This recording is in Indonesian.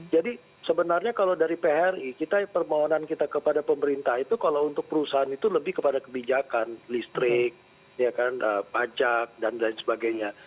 jadi sebenarnya kalau dari pri permohonan kita kepada pemerintah itu kalau untuk perusahaan itu lebih kepada kebijakan listrik pajak dan lain sebagainya